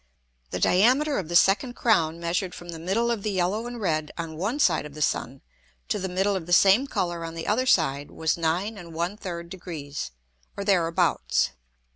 The Diameter of the second Crown measured from the middle of the yellow and red on one side of the Sun, to the middle of the same Colour on the other side was 9 1/3 Degrees, or thereabouts.